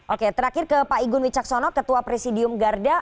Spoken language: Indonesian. oke terakhir ke pak igun wicaksono ketua presidium garda